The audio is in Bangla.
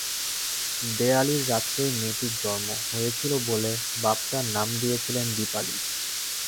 দেয়ালির রাত্রে মেয়েটির জন্ম হয়েছিল বলে বাপ তার নাম দিয়েছিলেন দীপালি।